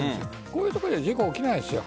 こういうところでは事故起きないです。